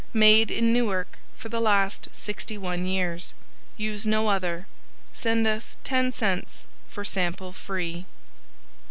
Made in Newark for the last 61 years. Use no other. Send us 10c for sample free.